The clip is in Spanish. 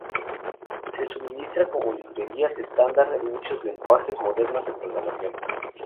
Se suministra como librerías estándar en muchos lenguajes modernos de programación.